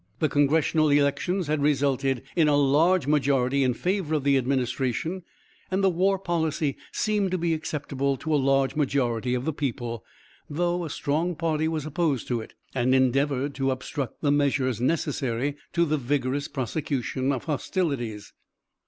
The congressional elections had resulted in a large majority in favor of the administration, and the war policy seemed to be acceptable to a large majority of the people, though a strong party was opposed to it, and endeavored to obstruct the measures necessary to the vigorous prosecution of hostilities.